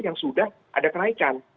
yang sudah ada kenaikan